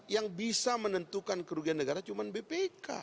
yang bisa menentukan kerugian negara cuma bpk